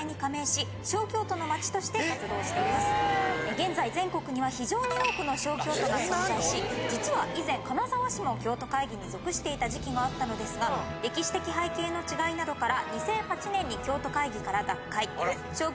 現在全国には非常に多くの小京都が存在し実は以前金沢市も京都会議に属していた時期があったのですが歴史的背景の違いなどから。